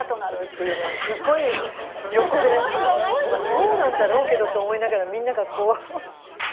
「横でまあそうなんだろうけどと思いながらみんながこう」